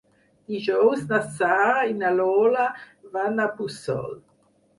Dijous na Sara i na Lola van a Puçol.